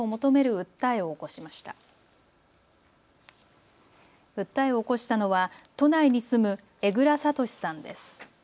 訴えを起こしたのは都内に住む江藏智さんです。